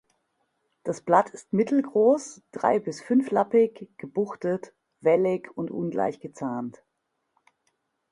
Das Blatt ist mittelgroß, drei- bis fünflappig, gebuchtet, wellig und ungleich gezahnt.